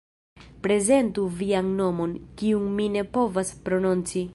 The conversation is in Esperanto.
Prezentu vian nomon, kiun mi ne povas prononci